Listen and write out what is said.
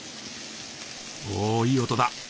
おいい音だ。